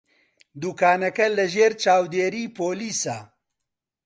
دوکانەکە لەژێر چاودێریی پۆلیسە.